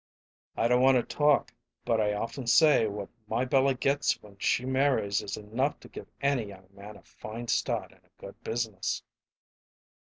"I don't want to talk but I often say what my Bella gets when she marries is enough to give any young man a fine start in a good business."